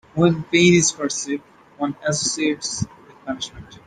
When pain is perceived, one associates with punishment.